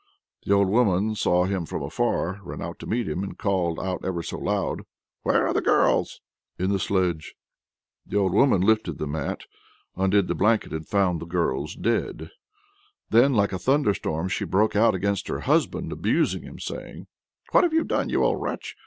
The old woman saw him from afar, ran out to meet him, and called out ever so loud: "Where are the girls?" "In the sledge." The old woman lifted the mat, undid the blanket, and found the girls both dead. Then, like a thunderstorm, she broke out against her husband, abusing him saying: "What have you done, you old wretch?